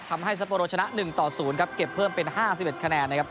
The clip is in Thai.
ซัปโปโลชนะ๑ต่อ๐ครับเก็บเพิ่มเป็น๕๑คะแนนนะครับ